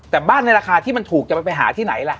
แต่บ้านในราคาที่มันถูกจะไปหาที่ไหนล่ะ